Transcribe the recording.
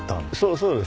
そうですね。